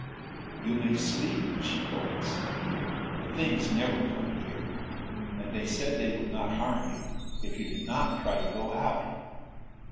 "You may sleep," she told us. "The Things never come here. And they said they would not harm you, if you did not try to go out."